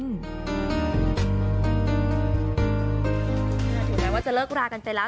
ถึงแม้ว่าจะเลิกรากันไปแล้ว